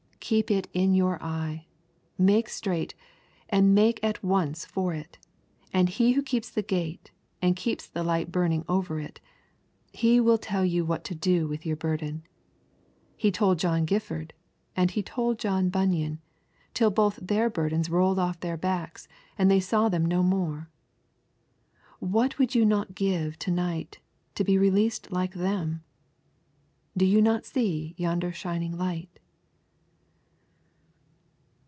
Keep it in your eye; make straight, and make at once for it, and He who keeps the gate and keeps the light burning over it, He will tell you what to do with your burden. He told John Gifford, and He told John Bunyan, till both their burdens rolled off their backs, and they saw them no more. What would you not give to night to be released like them? Do you not see yonder shining light?